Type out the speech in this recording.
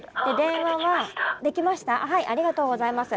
ありがとうございます。